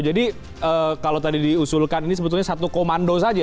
jadi kalau tadi diusulkan ini sebetulnya satu komando saja